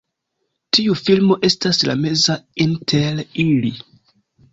Tiu filmo estas la meza inter ili.